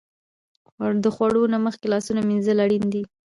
د خوړو نه مخکې لاسونه مینځل اړین دي.